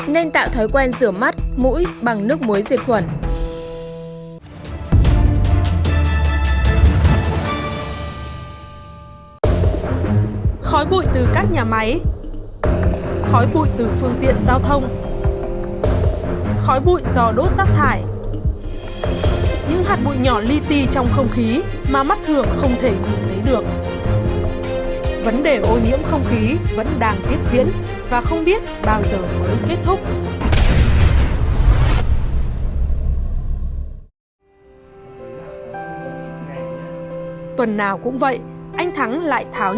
nên tạo thói quen rửa mắt mũi bằng nước muối diệt khuẩn